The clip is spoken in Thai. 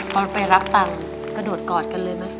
ตอนไปรับตังค์กระโดดกอดกันเลยไหม